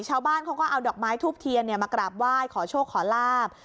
ชาวบ้านเขาก็เอาดอกไม้ทูบเทียนมากราบไหว้ขอโชคขอลาบ